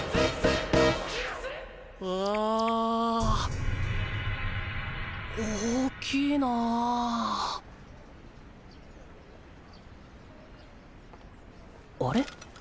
うわあ大きいなああれ？